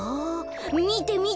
みてみて！